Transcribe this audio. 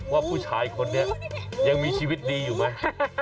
ว่าผู้ชายคนนี้ยังมีชีวิตดีอยู่ไหม